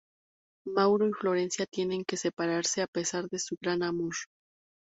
Mauro y Florencia tienen que separarse a pesar de su gran amor.